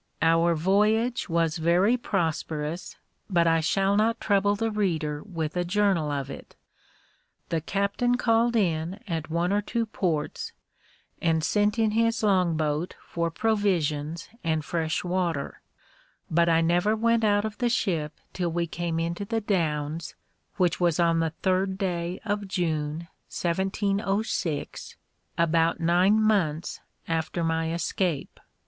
Our voyage was very prosperous, but I shall not trouble the reader with a journal of it. The captain called in at one or two ports, and sent in his longboat for provisions and fresh water; but I never went out of the ship till we came into the Downs, which was on the third day of June, 1706, about nine months after my escape.